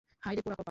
হায়রে পোড়া কপাল।